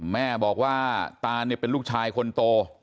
แม่บอกว่าตานเนี่ยเป็นลูกชายคนโต